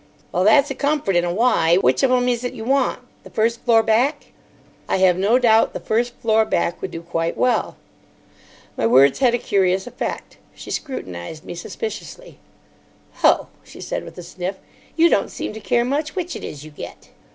"Well, that's a comfort in a wiy. Which of 'em is it you want? The first floor back?" "I have no doubt the first floor back would do quite well." My words had a curious effect. She scrutinised me suspiciously. "Ho!" she said, with a sniff; "you don't seem to care much which it is you get."